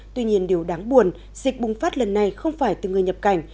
tuy nhiên điều đáng buồn dịch bùng phát lần này không phải từ người nhập cảnh